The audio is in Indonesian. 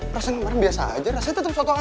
rasanya kemarin biasa aja rasanya tetep soto ayam